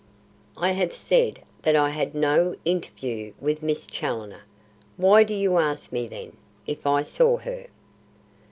"I have said that I had no interview with Miss Challoner. Why do you ask me then, if I saw her?"